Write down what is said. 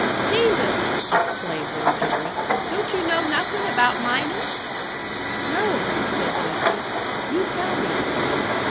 "Jesus!" exclaimed Little Jerry. "Don't you know nothin' about minin'?" "No," said Jessie. "You tell me."